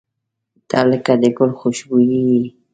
• ته لکه د ګل خوشبويي یې.